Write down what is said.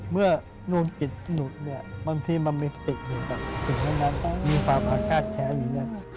เมื่อนวงกิจหลุดบางทีมันมีติดอยู่กับติดทั้งนั้นมีความอาฆาตแค้นอยู่